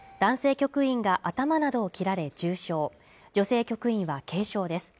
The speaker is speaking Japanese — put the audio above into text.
局員が頭などを切られ重傷女性局員は軽傷です